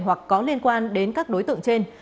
hoặc có liên quan đến các đối tượng trên